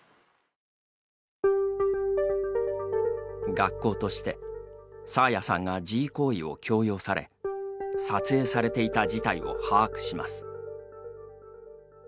学校として爽彩さんが自慰行為を強要され撮影されていた事態を把握します。